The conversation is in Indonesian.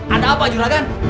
ada apa juragan